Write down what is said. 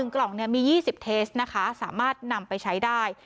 กล่องมี๒๐เทสนะคะสามารถนำไปใช้ได้